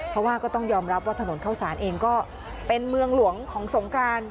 เพราะว่าก็ต้องยอมรับว่าถนนเข้าสารเองก็เป็นเมืองหลวงของสงกราน